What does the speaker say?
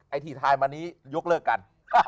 ไอ้ที่ถ่ายมานี้ยกเลิกกัน